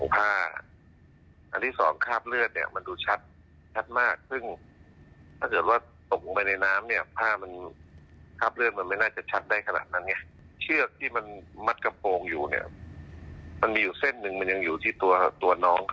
พ่าอาจจะบินมาหาบางแจ๊กอะไรที่อเมริกา